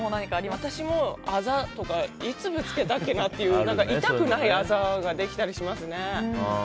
私も、あざとかいつぶつけたかなみたいな痛くないあざができたりしますね。